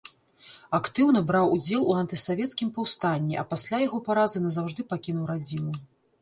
Актыўна браў удзел у антысавецкім паўстанні, а пасля яго паразы назаўжды пакінуў радзіму.